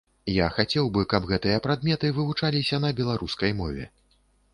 Я хацеў бы, каб гэтыя прадметы вывучаліся на беларускай мове.